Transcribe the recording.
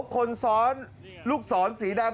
คนศรลูกศรสีแดง